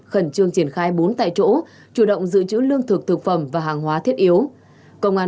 khẩn trương triển khai bốn tại chỗ chủ động giữ chữ lương thực thực phẩm và hàng hóa thiết yếu công an